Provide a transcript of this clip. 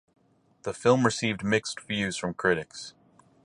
The film received mixed views from critics.